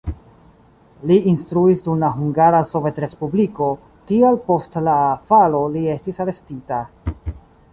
Li instruis dum la Hungara Sovetrespubliko, tial post la falo li estis arestita.